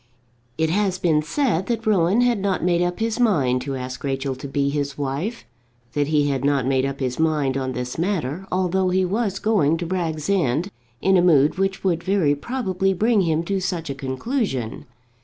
It has been said that Rowan had not made up his mind to ask Rachel to be his wife, that he had not made up his mind on this matter, although he was going to Bragg's End in a mood which would very probably bring him to such a conclusion.